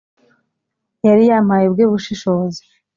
yari yampaye ubwe bushishozi